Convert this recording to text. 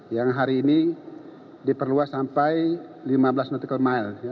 yang hari ini diperluas sampai lima belas nm